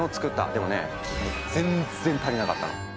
でもね全然足りなかったの。